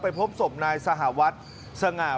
ไปพบสมนายสหวัสสง่า